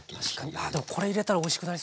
ああでもこれ入れたらおいしくなりそうですね。